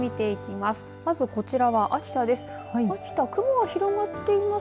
まず、こちらは秋田です。